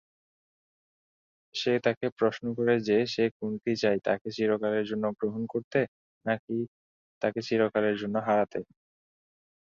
সে তাকে প্রশ্ন করে যে সে কোনটি চাই, তাকে চিরকালের জন্য গ্রহণ করতে নাকি তাকে চিরকালের জন্য হারাতে।